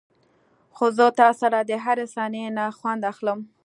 خو زه تاسره دهرې ثانيې نه خوند اخلم.